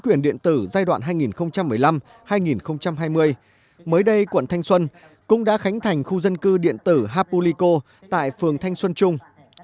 quyền điện tử giai đoạn hai nghìn một mươi năm hai nghìn hai mươi mới đây quận thanh xuân cũng đã khánh thành khu dân cư điện tử hapulico tại phường thanh xuân trung